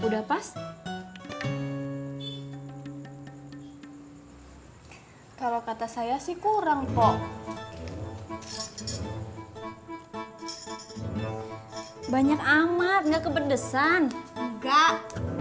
udah pas kalau kata saya sih kurang kok banyak amat enggak kepedesan enggak